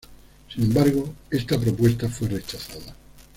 Sin embargo, esta propuesta fue rechazada.